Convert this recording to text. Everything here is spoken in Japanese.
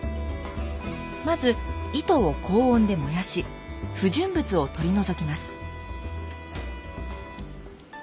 まず糸を高温で燃やし不純物を取り除きます。